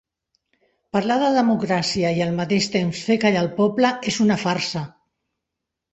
Parlar de democràcia i al mateix temps fer callar el poble és una farsa.